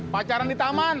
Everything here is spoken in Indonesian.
pacaran di taman